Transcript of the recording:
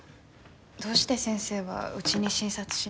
どうして先生は家に診察しに。